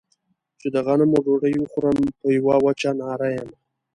چې د غنمو ډوډۍ وخورم په يوه وچه ناره يم.